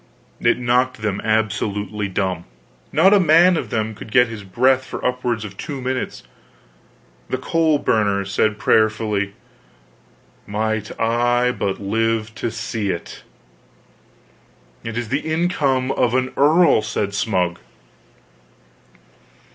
It knocked them absolutely dumb! Not a man of them could get his breath for upwards of two minutes. Then the coal burner said prayerfully: "Might I but live to see it!" "It is the income of an earl!" said Smug.